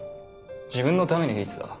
自分のために弾いてた。